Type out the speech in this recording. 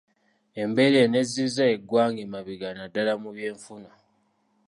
Embeera eno ezizza eggwanga emabega naddala mu byenfuna.